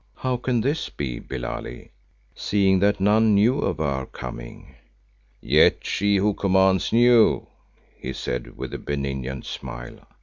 "How can this be, Billali, seeing that none knew of our coming?" "Yet She who commands knew," he said with his benignant smile.